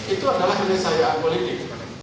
itu adalah kenesayaan politik